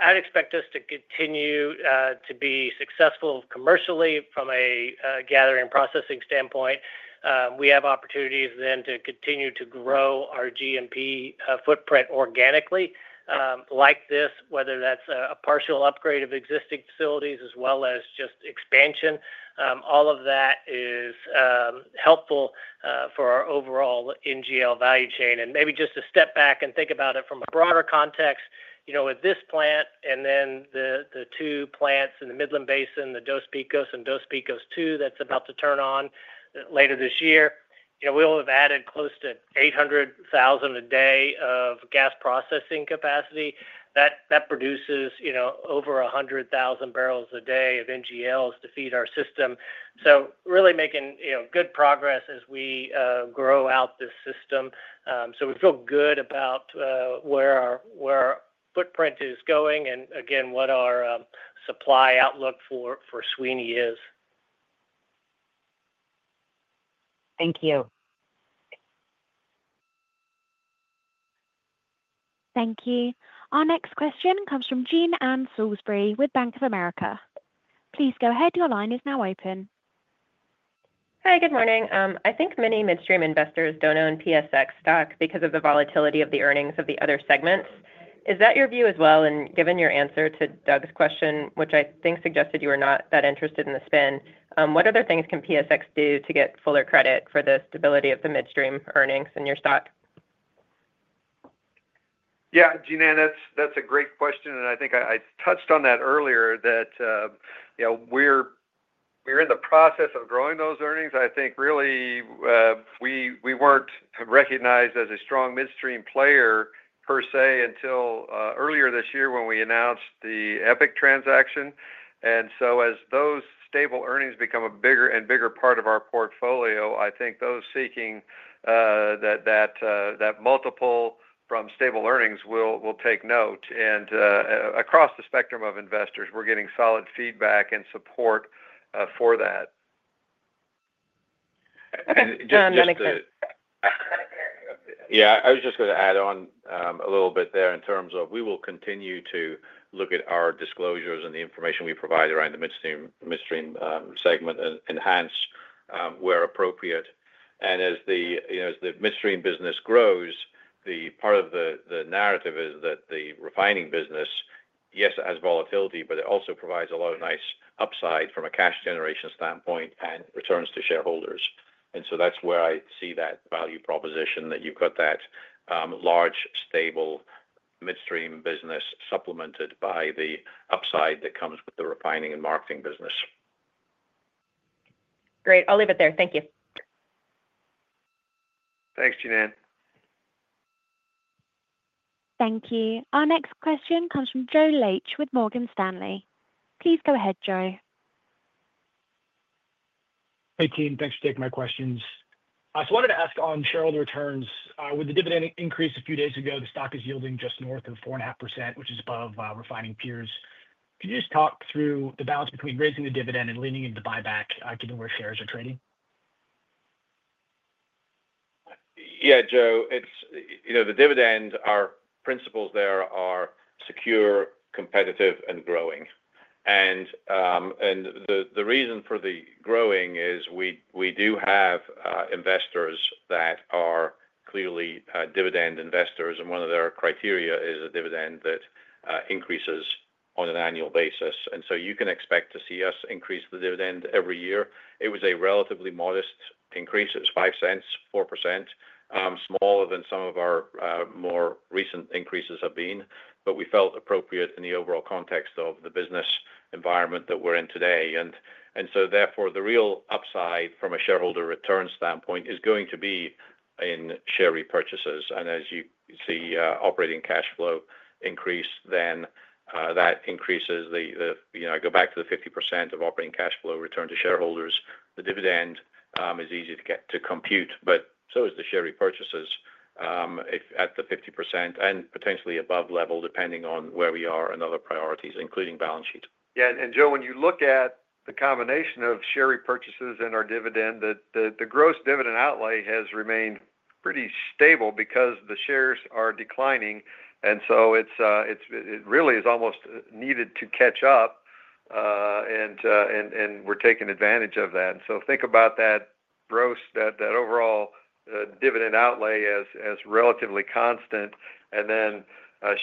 I'd expect us to continue to be successful commercially from a gathering processing standpoint. We have opportunities to continue to grow our GNP footprint organically like this, whether that's a partial upgrade of existing facilities as well as just expansion. All of that is helpful for our overall NGL value chain. Maybe just to step back and think about it from a broader context, with this plant and then the two plants in the Midland Basin, the Dos Picos and Dos Picos II that's about to turn on later this year, we'll have added close to 800,000 a day of gas processing capacity. That produces over 100,000 barrels a day of NGLs to feed our system. Really making good progress as we grow out this system. We feel good about where our footprint is going and, again, what our supply outlook for Sweeny is. Thank you. Thank you. Our next question comes from Jean Ann Salisbury with Bank of America. Please go ahead. Your line is now open. Hi, good morning. I think many midstream investors don't own PSX stock because of the volatility of the earnings of the other segments. Is that your view as well? Given your answer to Doug's question, which I think suggested you were not that interested in the spin, what other things can PSX do to get fuller credit for the stability of the midstream earnings in your stock? Yeah, Jean Ann, that's a great question. I think I touched on that earlier that we're in the process of growing those earnings. I think really we weren't recognized as a strong midstream player per se until earlier this year when we announced the EPIC transaction. As those stable earnings become a bigger and bigger part of our portfolio, I think those seeking that multiple from stable earnings will take note. Across the spectrum of investors, we're getting solid feedback and support for that. Jean, That makes sense. Yeah, I was just going to add on a little bit there in terms of we will continue to look at our disclosures and the information we provide around the midstream segment and enhance where appropriate. As the midstream business grows, part of the narrative is that the refining business, yes, has volatility, but it also provides a lot of nice upside from a cash generation standpoint and returns to shareholders. That is where I see that value proposition that you've got that large, stable midstream business supplemented by the upside that comes with the refining and marketing business. Great. I'll leave it there. Thank you. Thanks, Jean Ann. Thank you. Our next question comes from Joe Laetsch with Morgan Stanley. Please go ahead, Joe. Hey, Team. Thanks for taking my questions. I just wanted to ask on shareholder returns. With the dividend increase a few days ago, the stock is yielding just north of 4.5%, which is above refining peers. Could you just talk through the balance between raising the dividend and leaning into the buyback given where shares are trading? Yeah, Joe. The dividend, our principles there are secure, competitive, and growing. The reason for the growing is we do have investors that are clearly dividend investors. One of their criteria is a dividend that increases on an annual basis. You can expect to see us increase the dividend every year. It was a relatively modest increase. It was 5 cents, 4%, smaller than some of our more recent increases have been. We felt appropriate in the overall context of the business environment that we're in today. Therefore, the real upside from a shareholder return standpoint is going to be in share repurchases. As you see operating cash flow increase, that increases the—I go back to the 50% of operating cash flow return to shareholders. The dividend is easy to compute, but so is the share repurchases at the 50% and potentially above level, depending on where we are and other priorities, including balance sheet. Yeah. Joe, when you look at the combination of share repurchases and our dividend, the gross dividend outlay has remained pretty stable because the shares are declining. It really is almost needed to catch up. We are taking advantage of that. Think about that gross, that overall dividend outlay as relatively constant.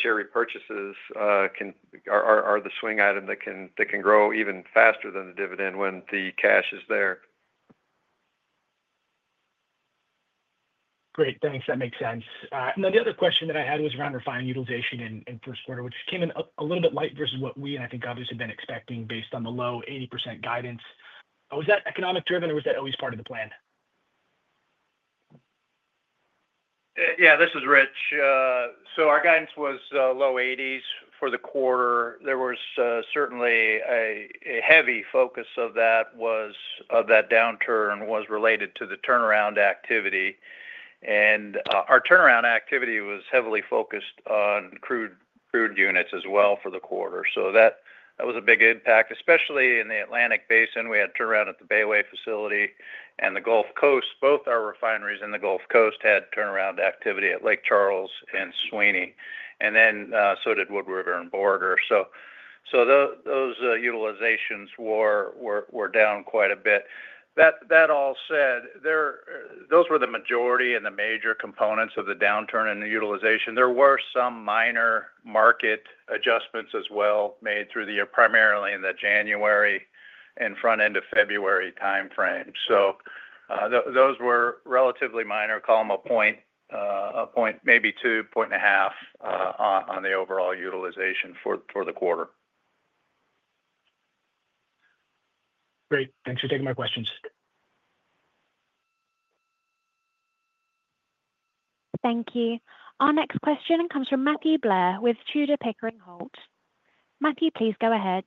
Share repurchases are the swing item that can grow even faster than the dividend when the cash is there. Great. Thanks. That makes sense. The other question that I had was around refining utilization in Q1, which came in a little bit light versus what we and I think others have been expecting based on the low 80% guidance. Was that economic driven, or was that always part of the plan? Yeah, this is Rich. Our guidance was low 80s for the quarter. There was certainly a heavy focus of that downturn was related to the turnaround activity. Our turnaround activity was heavily focused on crude units as well for the quarter. That was a big impact, especially in the Atlantic Basin. We had turnaround at the Bayway facility and the Gulf Coast. Both our refineries in the Gulf Coast had turnaround activity at Lake Charles and Sweeny. Wood River and Borger also did. Those utilizations were down quite a bit. That all said, those were the majority and the major components of the downturn and the utilization. There were some minor market adjustments as well made primarily in the January and front end of February timeframe. Those were relatively minor. Call them a point, maybe two, point and a half on the overall utilization for the quarter. Great. Thanks for taking my questions. Thank you. Our next question comes from Matthew Blair with Tudor Pickering Holt. Matthew, please go ahead.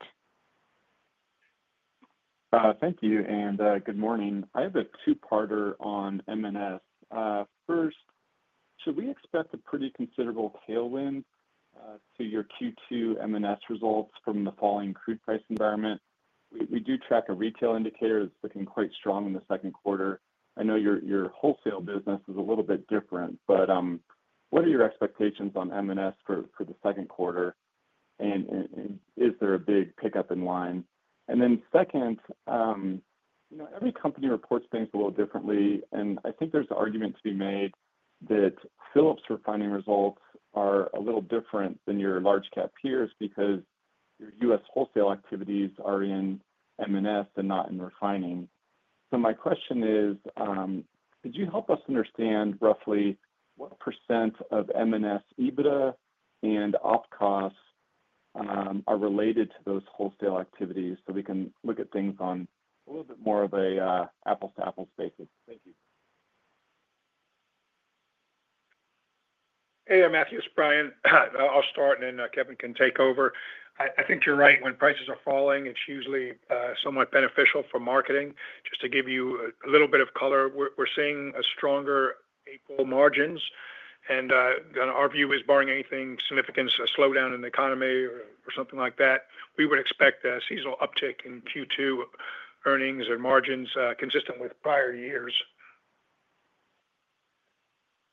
Thank you. And good morning. I have a two-parter on M&S. First, should we expect a pretty considerable tailwind to your Q2 M&S results from the falling crude price environment? We do track a retail indicator that's looking quite strong in the Q2. I know your wholesale business is a little bit different, but what are your expectations on M&S for the Q2? Is there a big pickup in line? Then, every company reports things a little differently. I think there's an argument to be made that Phillips 66 refining results are a little different than your large-cap peers because your U.S. wholesale activities are in M&S and not in refining. Could you help us understand roughly what percent of M&S EBITDA and op costs are related to those wholesale activities so we can look at things on a little bit more of an apples-to-apples basis? Thank you. Hey, Matthew it's Brian I'll start in, and then Kevin can take over. I think you're right. When prices are falling, it's usually somewhat beneficial for marketing. Just to give you a little bit of color, we're seeing stronger April margins. In our view, barring anything significant, a slowdown in the economy or something like that, we would expect a seasonal uptick in Q2 earnings and margins consistent with prior years.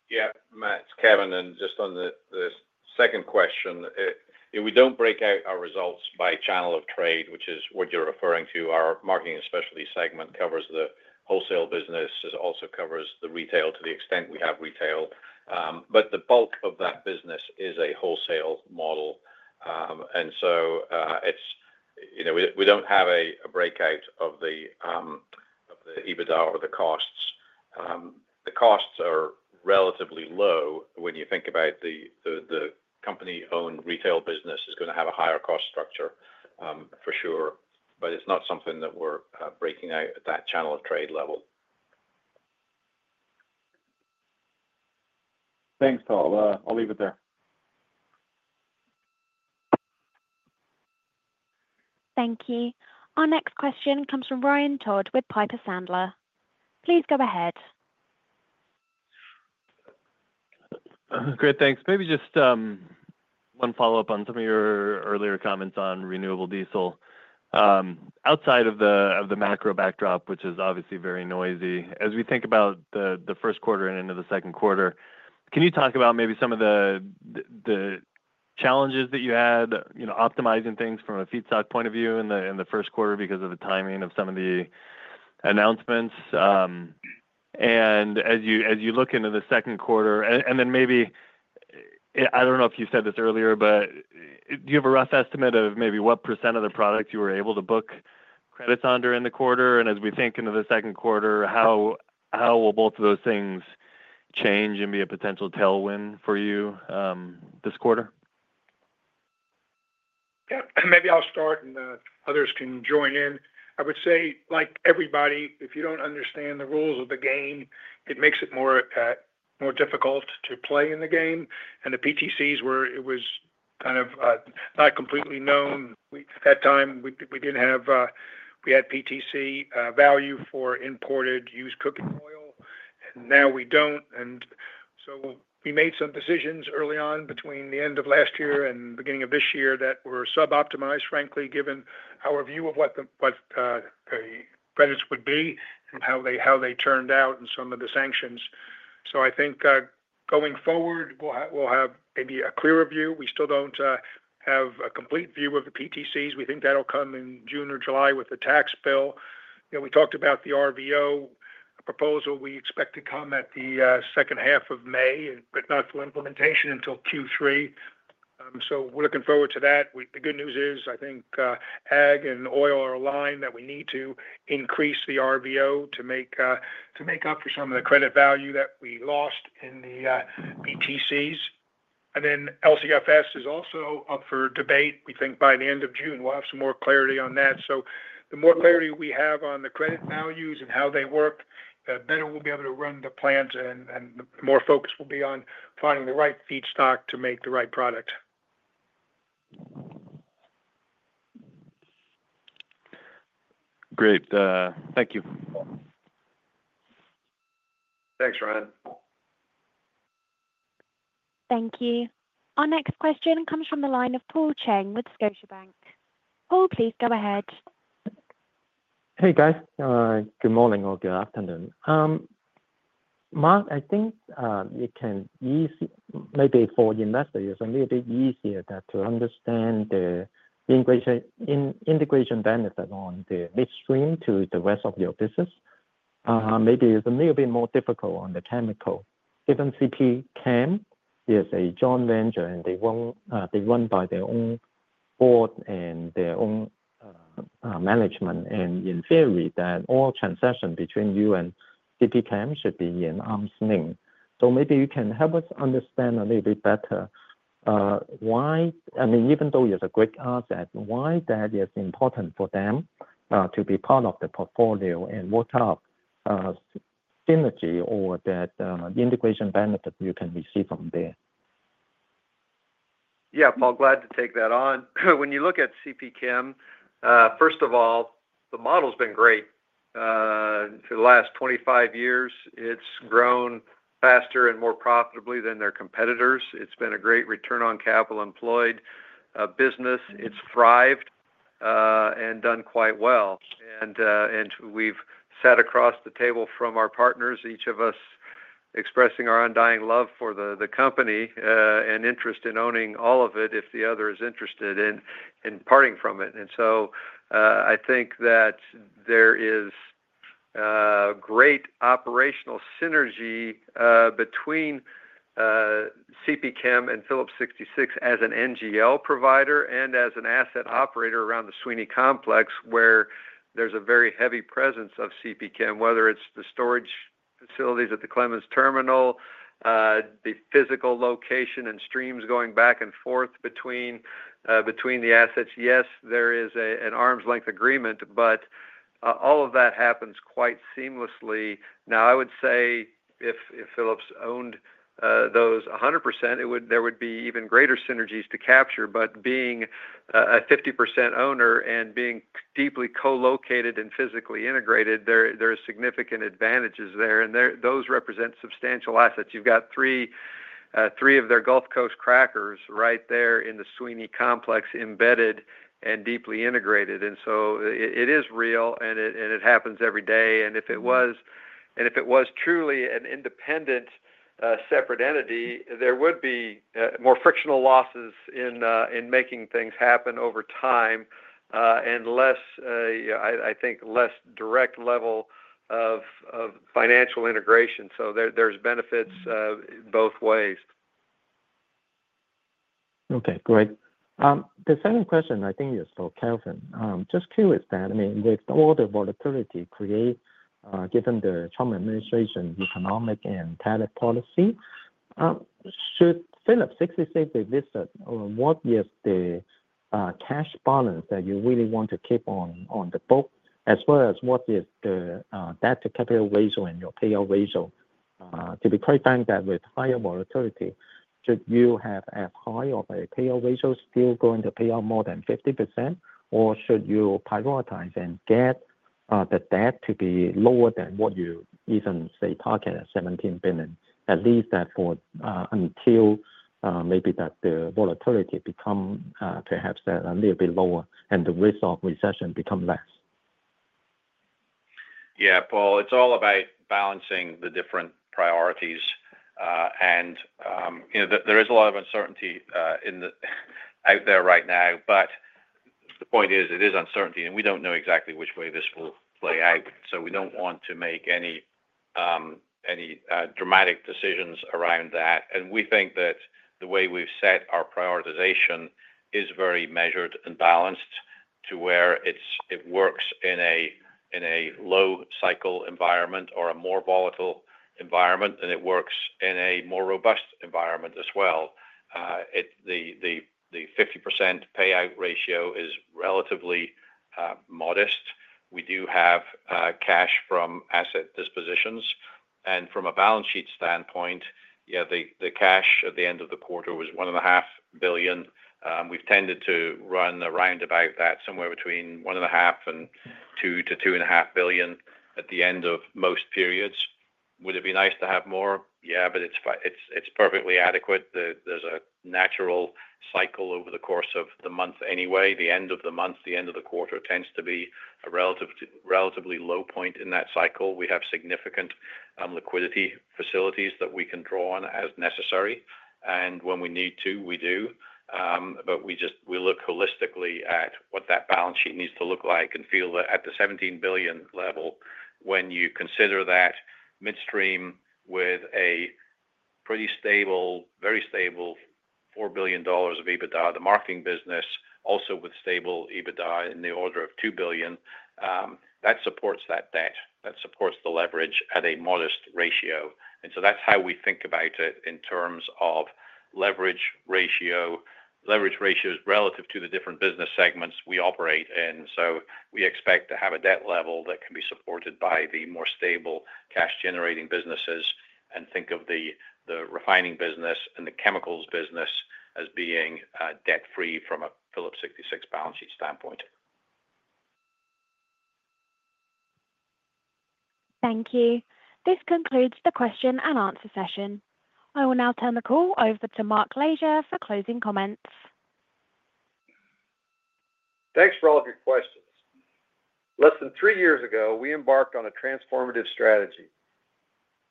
Yeah. Matt, it's Kevin. Just on the second question, we don't break out our results by channel of trade, which is what you're referring to. Our marketing and specialty segment covers the wholesale business. It also covers the retail to the extent we have retail. The bulk of that business is a wholesale model. We don't have a breakout of the EBITDA or the costs. The costs are relatively low when you think about the company-owned retail business is going to have a higher cost structure for sure. It's not something that we're breaking out at that channel of trade level. Thanks, Paul. I'll leave it there. Thank you. Our next question comes from Ryan Todd with Piper Sandler. Please go ahead. Great. Thanks. Maybe just one follow-up on some of your earlier comments on renewable diesel. Outside of the macro backdrop, which is obviously very noisy, as we think about the Q1 and into the Q2, can you talk about maybe some of the challenges that you had optimizing things from a feedstock point of view in the Q1 because of the timing of some of the announcements? As you look into the Q2, and then maybe I do not know if you said this earlier, but do you have a rough estimate of maybe what % of the products you were able to book credits on during the quarter? As we think into the Q2, how will both of those things change and be a potential tailwind for you this quarter? Yeah. Maybe I'll start, and others can join in. I would say, like everybody, if you don't understand the rules of the game, it makes it more difficult to play in the game. The PTCs were kind of not completely known. At that time, we didn't have PTC value for imported used cooking oil. Now we don't. We made some decisions early on between the end of last year and the beginning of this year that were sub-optimized, frankly, given our view of what the credits would be and how they turned out and some of the sanctions. I think going forward, we'll have maybe a clearer view. We still don't have a complete view of the PTCs. We think that'll come in June or July with the tax bill. We talked about the RVO proposal. We expect to come at the second half of May, but not full implementation until Q3. We are looking forward to that. The good news is I think ag and oil are aligned that we need to increase the RVO to make up for some of the credit value that we lost in the PTCs. LCFS is also up for debate. We think by the end of June, we will have some more clarity on that. The more clarity we have on the credit values and how they work, the better we will be able to run the plans, and the more focus will be on finding the right feedstock to make the right product. Great. Thank you. Thanks, Ryan. Thank you. Our next question comes from the line of Paul Cheng with Scotiabank. Paul, please go ahead. Hey, guys. Good morning or good afternoon. Mark, I think it can be easy, maybe for investors, a little bit easier to understand the integration benefit on the midstream to the rest of your business. Maybe it's a little bit more difficult on the chemical. Even CPChem is a joint venture, and they run by their own board and their own management. In theory, all transactions between you and CPChem should be at arm's length. Maybe you can help us understand a little bit better why, I mean, even though you're the great asset, why that is important for them to be part of the portfolio and work out synergy or that integration benefit you can receive from there. Yeah, Paul, glad to take that on. When you look at CPChem, first of all, the model's been great. For the last 25 years, it's grown faster and more profitably than their competitors. It's been a great return on capital employed business. It's thrived and done quite well. We've sat across the table from our partners, each of us expressing our undying love for the company and interest in owning all of it if the other is interested in parting from it. I think that there is great operational synergy between CPChem and Phillips 66 as an NGL provider and as an asset operator around the Sweeny Complex, where there's a very heavy presence of CPChem, whether it's the storage facilities at the Clemens Terminal, the physical location, and streams going back and forth between the assets. Yes, there is an arm's length agreement, but all of that happens quite seamlessly. I would say if Phillips owned those 100%, there would be even greater synergies to capture. Being a 50% owner and being deeply co-located and physically integrated, there are significant advantages there. Those represent substantial assets. You've got three of their Gulf Coast crackers right there in the Sweeny Complex embedded and deeply integrated. It is real, and it happens every day. If it was truly an independent, separate entity, there would be more frictional losses in making things happen over time and, I think, less direct level of financial integration. There are benefits both ways. Okay. Great. The second question, I think it's for Kevin. Just curious, I mean, with all the volatility created given the Trump administration's economic and tariff policy, should Phillips 66 exist, or what is the cash balance that you really want to keep on the book, as well as what is the debt-to-capital ratio and your payout ratio? To be quite frank, that with higher volatility, should you have as high of a payout ratio still going to pay out more than 50%, or should you prioritize and get the debt to be lower than what you even say target at $17 billion, at least until maybe the volatility becomes perhaps a little bit lower and the risk of recession becomes less? Yeah, Paul, it's all about balancing the different priorities. There is a lot of uncertainty out there right now. The point is, it is uncertainty, and we don't know exactly which way this will play out. We don't want to make any dramatic decisions around that. We think that the way we've set our prioritization is very measured and balanced to where it works in a low-cycle environment or a more volatile environment, and it works in a more robust environment as well. The 50% payout ratio is relatively modest. We do have cash from asset dispositions. From a balance sheet standpoint, yeah, the cash at the end of the quarter was $1.5 billion. We've tended to run around about that, somewhere between $1.5 billion and $2 billion to $2.5 billion at the end of most periods. Would it be nice to have more? Yeah, but it's perfectly adequate. There's a natural cycle over the course of the month anyway. The end of the month, the end of the quarter tends to be a relatively low point in that cycle. We have significant liquidity facilities that we can draw on as necessary. When we need to, we do. We look holistically at what that balance sheet needs to look like and feel that at the $17 billion level, when you consider that midstream with a pretty stable, very stable $4 billion of EBITDA, the marketing business also with stable EBITDA in the order of $2 billion, that supports that debt. That supports the leverage at a modest ratio. That is how we think about it in terms of leverage ratios relative to the different business segments we operate in. We expect to have a debt level that can be supported by the more stable cash-generating businesses and think of the refining business and the chemicals business as being debt-free from a Phillips 66 balance sheet standpoint. Thank you. This concludes the question and answer session. I will now turn the call over to Mark Lashier for closing comments. Thanks for all of your questions. Less than three years ago, we embarked on a transformative strategy.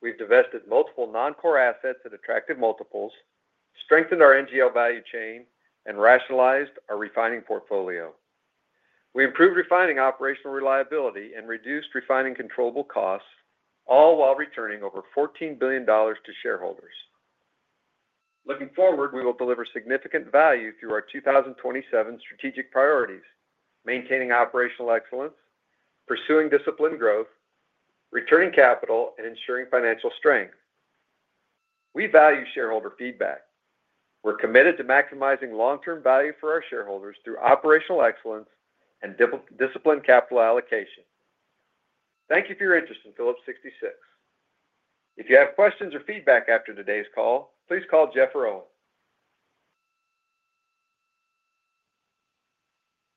We've divested multiple non-core assets and attracted multiples, strengthened our NGL value chain, and rationalized our refining portfolio. We improved refining operational reliability and reduced refining controllable costs, all while returning over $14 billion to shareholders. Looking forward, we will deliver significant value through our 2027 strategic priorities: maintaining operational excellence, pursuing disciplined growth, returning capital, and ensuring financial strength. We value shareholder feedback. We're committed to maximizing long-term value for our shareholders through operational excellence and disciplined capital allocation. Thank you for your interest in Phillips 66. If you have questions or feedback after today's call, please call Jeff or Owen.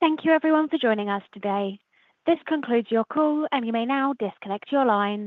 Thank you, everyone, for joining us today. This concludes your call, and you may now disconnect your line.